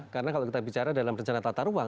karena kalau kita bicara dalam rencana tata ruang